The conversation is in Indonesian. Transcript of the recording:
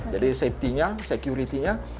jadi safety nya security nya